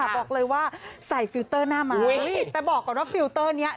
บอกเลยว่าใส่ฟิลเตอร์หน้าไม้แต่บอกก่อนว่าฟิลเตอร์นี้